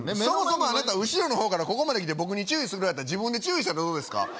そもそもあなた後ろの方からここまで来て僕に注意するぐらいだったら自分で注意したらどうですか？